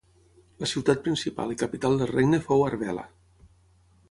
La ciutat principal i capital del regne fou Arbela.